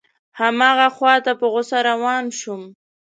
هماغه خواته په غوسه روان شوم.